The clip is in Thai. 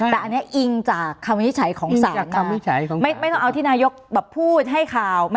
แต่อันนี้อิงจากคำวินิจฉัยของศาลไม่ต้องเอาที่นายกพูดให้ข่าว